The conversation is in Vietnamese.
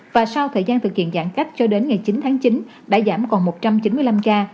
và sau thời gian thực hiện giãn cách cho đến ngày chín tháng chín đã giảm còn một trăm chín mươi năm ca